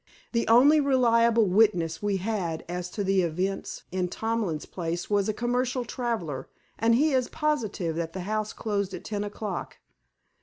The only reliable witness we had as to events in Tomlin's place was a commercial traveler, and he is positive that the house closed at ten o'clock.